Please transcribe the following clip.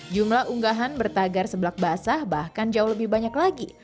jumlah unggahan bertagar sebelak basah bahkan jauh lebih banyak lagi